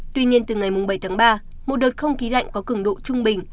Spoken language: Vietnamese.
tuy nhiên từ ngày mùng bảy tháng ba một đợt không khí lạnh có cứng độ trung bình